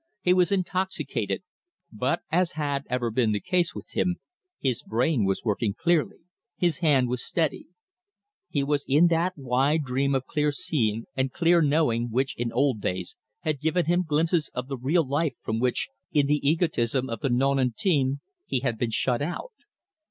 He was intoxicated, but, as had ever been the case with him, his brain was working clearly, his hand was steady; he was in that wide dream of clear seeing and clear knowing which, in old days, had given him glimpses of the real life from which, in the egotism of the non intime, he had been shut out.